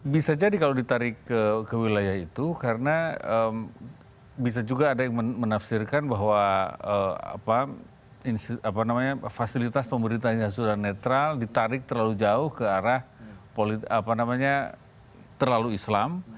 bisa jadi kalau ditarik ke wilayah itu karena bisa juga ada yang menafsirkan bahwa fasilitas pemerintahnya sudah netral ditarik terlalu jauh ke arah terlalu islam